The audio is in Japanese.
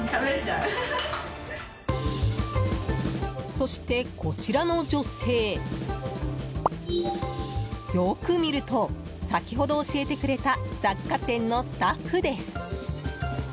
そして、こちらの女性よく見ると先ほど教えてくれた雑貨店のスタッフです。